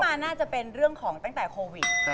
น่าจะเป็นเรื่องของตั้งแต่โควิด